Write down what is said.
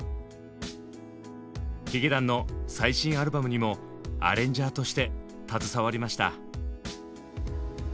ヒゲダンの最新アルバムにもアレンジャーとして携わりました。